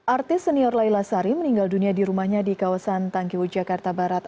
artis senior laila sari meninggal dunia di rumahnya di kawasan tangkiu jakarta barat